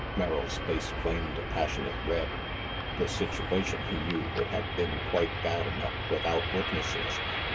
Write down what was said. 5 Merrill's face flamed a passionate red. The situation, he knew, would have been quite bad enough without witnesses.